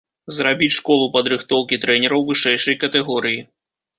Зрабіць школу падрыхтоўкі трэнераў вышэйшай катэгорыі.